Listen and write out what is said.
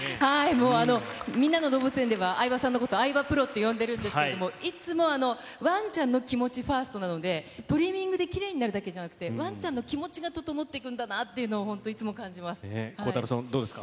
もう、みんなの動物園では相葉さんのことを相葉プロって呼んでるんですけれども、いつもわんちゃんの気持ちファーストなので、トリミングできれいになるだけじゃなくて、わんちゃんの気持ちが整っていくんだなっ孝太郎さん、どうですか？